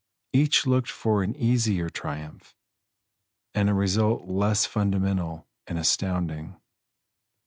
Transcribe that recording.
Each looked for an easier triumph, and a result less fundamental and astounding.